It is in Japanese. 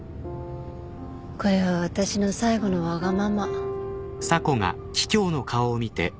これは私の最後のわがまま。